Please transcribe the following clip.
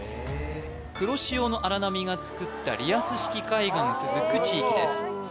黒潮の荒波がつくったリアス式海岸が続く地域です